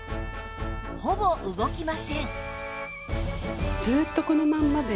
ほぼ動きません